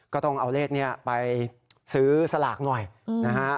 ก็ต้องเอาเลขนี้ไปซื้อสลากหน่อยนะฮะ